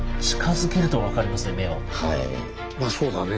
まあそうだね。